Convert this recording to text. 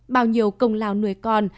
bao nhiêu công lao nuôi con